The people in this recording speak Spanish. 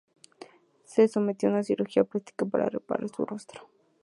Se sometió a cirugía plástica para reparar su rostro.